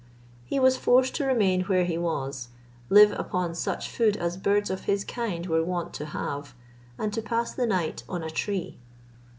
He was forced to remain where he was, live upon such food as birds of his kind were wont to have, and to pass the night on a tree.